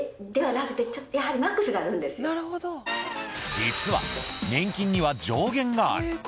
実は、年金には上限がある。